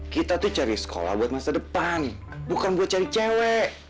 kita tuh cari sekolah buat masa depan bukan buat cari cewek